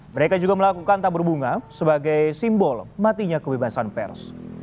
mereka juga melakukan tabur bunga sebagai simbol matinya kebebasan pers